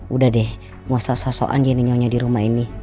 udah deh mau sok sokan gini gini di rumah ini